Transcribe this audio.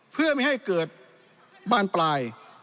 เพื่อไม่ให้เกิดบานปลาย